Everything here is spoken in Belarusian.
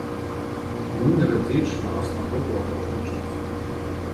Ну, не радзей чым раз на год у апошні час.